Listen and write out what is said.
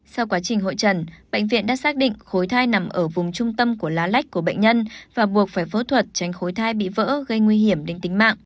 sau quá trình hội trần bệnh viện đã xác định khối thai nằm ở vùng trung tâm của lá lách của bệnh nhân và buộc phải phẫu thuật tránh khối thai bị vỡ gây nguy hiểm đến tính mạng